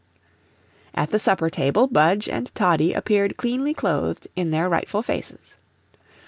At the supper table Budge and Toddie appeared cleanly clothed in their rightful faces.